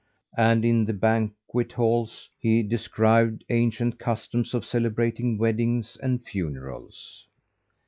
And in the banquet halls he described ancient customs of celebrating weddings and funerals.